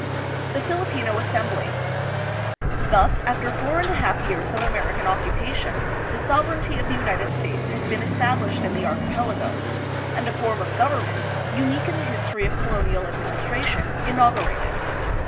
The Filipino Assembly. Thus, after four and a half years of American occupation, the sovereignty of the United States has been established in the archipelago, and a form of government, unique in the history of colonial administration, inaugurated.